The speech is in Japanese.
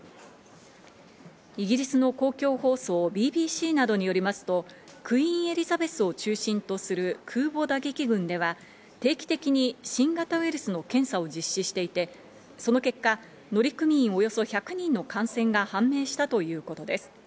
イギリスの公共放送ＢＢＣなどによりますとクイーン・エリザベスを中心とする空母打撃群では、定期的に新型ウイルスの検査を実施していてその結果、乗組員およそ１００人の感染が判明したということです。